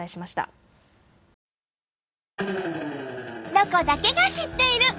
「ロコだけが知っている」。